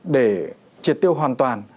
để triệt tiêu hoàn toàn